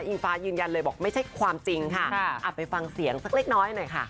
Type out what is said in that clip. ฟ้ายืนยันเลยบอกไม่ใช่ความจริงค่ะไปฟังเสียงสักเล็กน้อยหน่อยค่ะ